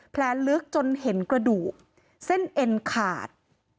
ลึกจนเห็นกระดูกเส้นเอ็นขาด